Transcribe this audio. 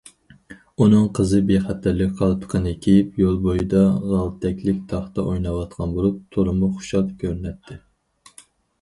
ئۇنىڭ قىزى بىخەتەرلىك قالپىقىنى كىيىپ يول بويىدا غالتەكلىك تاختا ئويناۋاتقان بولۇپ، تولىمۇ خۇشال كۆرۈنەتتى.